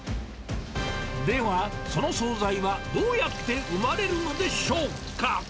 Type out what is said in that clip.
では、その総菜はどうやって生まれるのでしょうか。